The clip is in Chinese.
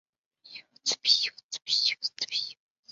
属名是以化石发现地的埃布拉赫市为名。